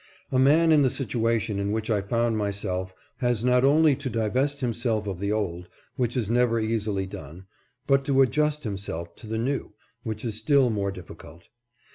A man in the situation in which I found myself has not only to divest himself of the old, which is never easily done, but to adjust himself to the new, which is still more difficult.